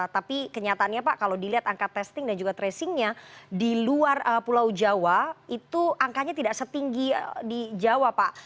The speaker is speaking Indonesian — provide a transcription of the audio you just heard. tapi kenyataannya pak kalau dilihat angka testing dan juga tracingnya di luar pulau jawa itu angkanya tidak setinggi di jawa pak